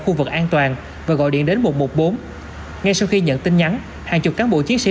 khu vực an toàn và gọi điện đến một trăm một mươi bốn ngay sau khi nhận tin nhắn hàng chục cán bộ chiến sĩ